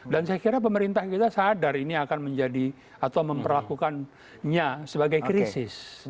dan saya kira pemerintah kita sadar ini akan menjadi atau memperlakukannya sebagai krisis